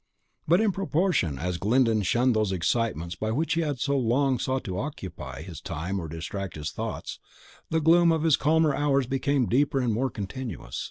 But in proportion as Glyndon shunned those excitements by which he had so long sought to occupy his time or distract his thoughts, the gloom of his calmer hours became deeper and more continuous.